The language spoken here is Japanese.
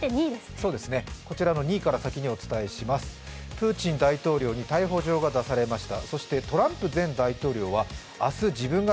プーチン大統領に逮捕状が出されました。